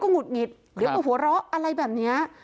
คุณปุ้ยอายุ๓๒นางความร้องไห้พูดคนเดี๋ยว